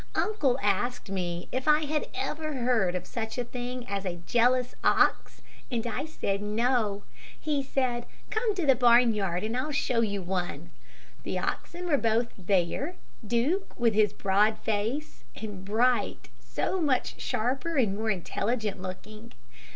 "Uncle asked me if I had ever heard of such a thing as a jealous ox, and I said no. He said, 'Come to the barnyard, and I'll show you one.' The oxen were both there, Duke with his broad face, and Bright so much sharper and more intelligent looking.